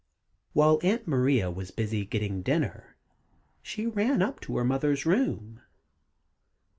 "] While Aunt Maria was busy getting dinner, she ran up to her mother's room.